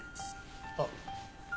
あっ。